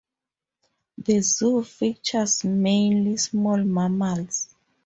The zoo features mainly small mammals.